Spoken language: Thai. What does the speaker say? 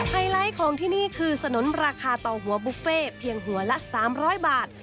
ไฮไลท์ของที่นี่คือสนุนราคาต่อหัวบุฟเฟ่เพียงหัวละ๓๐๐บาท